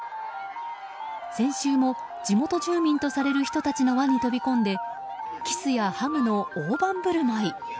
先週も地元住民とされる人たちの輪に飛び込んでキスやハグの大盤振る舞い。